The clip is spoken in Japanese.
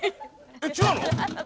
えっ違うの？